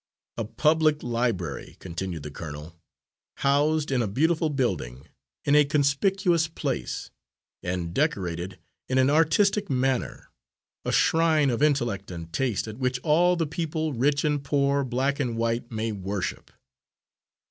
"A public library," continued the colonel, "housed in a beautiful building, in a conspicuous place, and decorated in an artistic manner a shrine of intellect and taste, at which all the people, rich and poor, black and white, may worship."